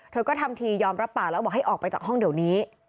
เธอก็ทำทียอมรับปากแล้วบอกให้ออกไปจากห้องเดี๋ยวนี้